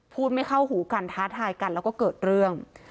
ไม่เข้าหูกันท้าทายกันแล้วก็เกิดเรื่อง